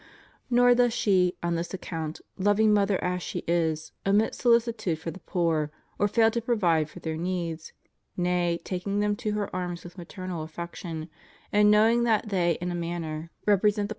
Nor does she, on this account, loving mother as she is, omit solicitude for the poor or fail to provide for their needs; nay, taking them to her arms with maternal affection, and knowing that they in a manner represent the person »Eph.